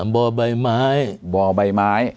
บ่อใบไม้